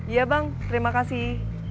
iya bang terima kasih